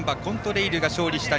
レイルが制した